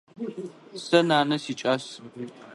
Сэ нанэ сикӏас.